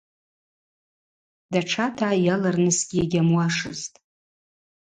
Датшата йалырнысгьи йгьамуашызтӏ.